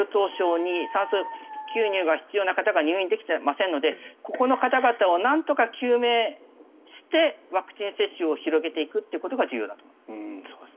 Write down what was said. ２酸素吸入が必要な方が入院できてませんのでここの方々をなんとか救命してワクチン接種を広げていくということが重要だと思います。